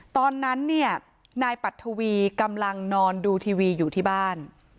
ตอนนั้นเนี่ยนายปัททวีกำลังนอนดูทีวีอยู่ที่บ้าน